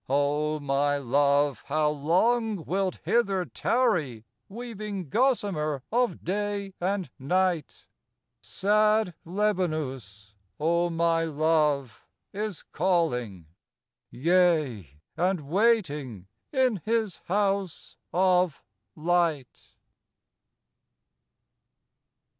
O my Love, how long wilt hither tarry Weaving gossamer of day and night? Sad Lebanus, O my Love, is calling, Yea, and waiting in his House of Light.